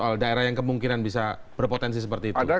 soal daerah yang kemungkinan bisa berpotensi seperti itu